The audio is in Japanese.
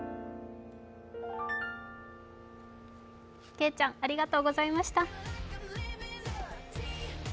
けいちゃんありがとうございました。